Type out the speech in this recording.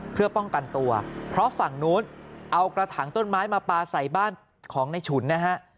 เพื่อป้องกันตัวเพราะฝั่งนู้นเอากระถางต้นไม้มาปลาใส่บ้านของในฉุนนะฮะ